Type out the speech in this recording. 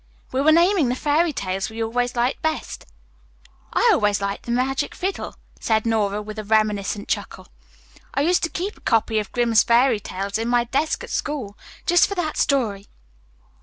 "We were naming the fairy tales we always liked best." "I always liked the 'Magic Fiddle,'" said Nora, with a reminiscent chuckle. "I used to keep a copy of Grimms' Fairy Tales in my desk at school, just for that story.